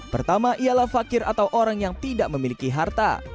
pertama ialah fakir atau orang yang tidak memiliki harta